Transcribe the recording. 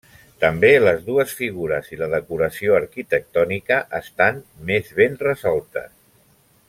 També les dues figures i la decoració arquitectònica estan més ben resoltes.